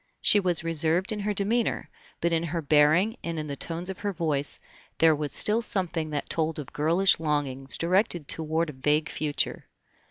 She was reserved in her demeanor, but in her bearing and in the tones of her voice there was still something that told of girlish longings directed toward a vague future.